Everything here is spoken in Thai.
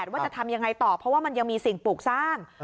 ว่าจะทำยังไงต่อเพราะว่ามันยังมีสิ่งปลูกสร้าง